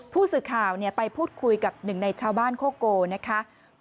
ผู้สื่อข่าวไปพูดคุยกับหนึ่งในชาวบ้านโคโกนะคะ